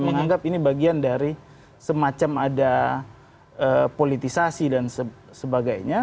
menganggap ini bagian dari semacam ada politisasi dan sebagainya